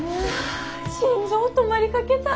あ心臓止まりかけた。